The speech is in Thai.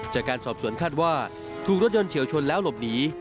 จากการสอบสวนคาดว่าถูกรถยนต์เฉียวชนแล้วหลบหนี